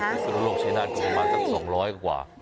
ถ้าอยู่ในสุรโลกชัยนาธิ์ประมาณกัน๒๐๐กว่า